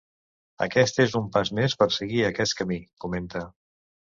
Aquest és un pas més per seguir aquest camí, comenta.